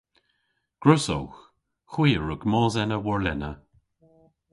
Gwrussowgh. Hwi a wrug mos ena warlena.